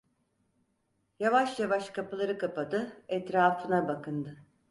Yavaş yavaş kapıları kapadı, etrafına bakındı…